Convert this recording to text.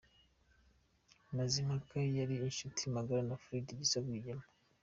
Mazimhaka yari inshuti magara ya Fred Gisa Rwigema.